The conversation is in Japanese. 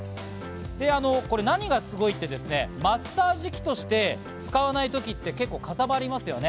何がすごいってマッサージ器として使わない時って、結構かさばりますよね？